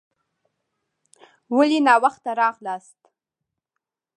ولي ناوخته راغلاست؟